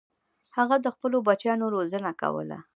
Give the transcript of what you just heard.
هغه د خپلو بچیانو روزنه کوله.